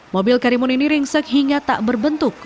mobil karimun ini ringsek hingga tak berbentuk